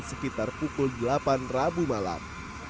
sekitar pukul delapan rabu malam